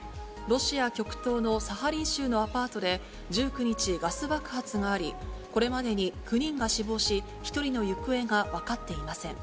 ロシア極東のサハリン州のアパートで１９日、ガス爆発があり、これまでに９人が死亡し、１人の行方が分かっていません。